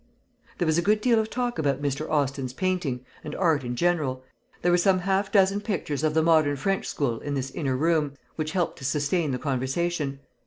There was a good deal of talk about Mr. Austin's painting, and art in general. There were some half dozen pictures of the modern French school in this inner room, which helped to sustain the conversation.